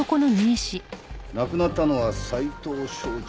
亡くなったのは斎藤昭二。